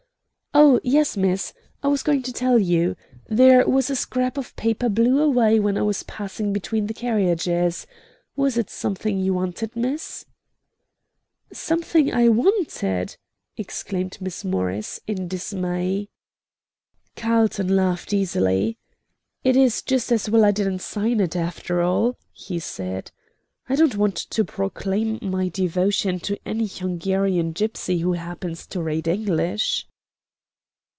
"Oh, yes, miss; I was going to tell you; there was a scrap of paper blew away when I was passing between the carriages. Was it something you wanted, miss?" "Something I wanted!" exclaimed Miss Morris, in dismay. Carlton laughed easily. "It is just as well I didn't sign it, after all," he said. "I don't want to proclaim my devotion to any Hungarian gypsy who happens to read English."